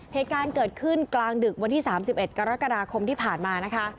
เหตุการณ์เกิดขึ้นกลางดึกวันที่๓๑กรกฎาคมที่ผ่านมานะคะ